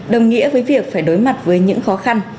đồng nghĩa với việc phải đối mặt với những khó khăn